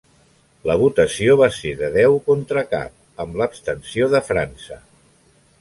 La votació va ser de deu contra cap, amb l'abstenció de França.